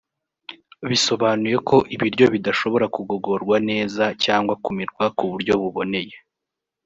bisobanuye ko ibiryo bidashobora kugogorwa neza cyangwa kumirwa ku buryo buboneye